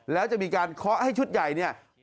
แล้วจะมีการเคาะให้ชุดใหญ่เนี่ย